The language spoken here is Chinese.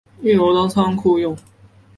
一楼当仓库用